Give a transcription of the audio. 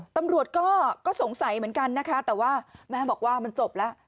ตำรวจก็สงสัยเหมือนกันนะคะแต่ว่าแม่บอกว่ามันจบแล้ว